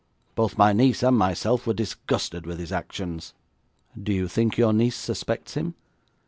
Both my niece and myself were disgusted with his actions.' 'Do you think your niece suspects him?'